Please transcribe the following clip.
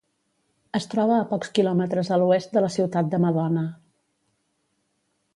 Es troba a pocs quilòmetres a l'oest de la ciutat de Madona.